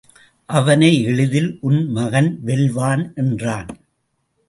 அவனை எளிதில் உன் மகன் வெல்வான் என்றான்.